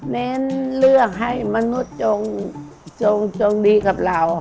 เน้นเรื่องให้มนุษย์จงดีกับเรา